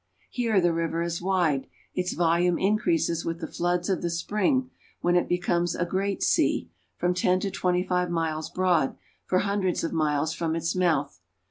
Here the river is wide ; its volume increases with the floods of the spring, when it becomes a great sea, from ten to twenty five miles broad, for hun dreds of miles from its mouth.